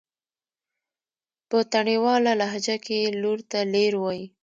په تڼيواله لهجه کې لور ته لير وايي.